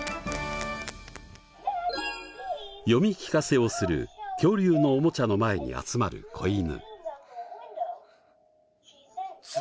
読み聞かせをする恐竜のおもちゃの前に集まる子犬。